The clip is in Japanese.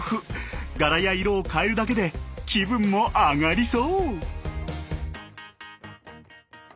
柄や色を変えるだけで気分も上がりそう。